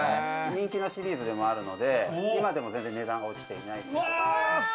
人気のシリーズでもあるので、今でも全然値段が落ちていない。